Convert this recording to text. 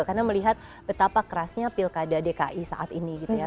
karena melihat betapa kerasnya pilkada dki saat ini gitu ya